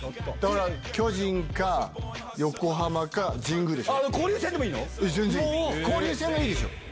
巨人か横浜か神宮でしょ。